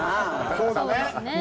そうだね。